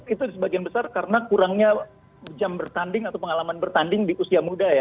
itu sebagian besar karena kurangnya jam bertanding atau pengalaman bertanding di usia muda ya